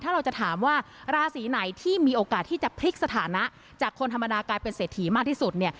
ถ้าเราจะถามว่าราศีไหนที่มีโอกาสที่จะพลิกสถานะจากคนธรรมดากลายเป็นเศรษฐีมากที่สุดเนี่ย